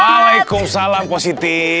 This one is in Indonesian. waalaikumsalam pak siti